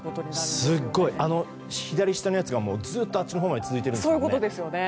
すごい！左下のやつがずっとあっちのほうまで続いているんですよね。